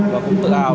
và cũng tự hào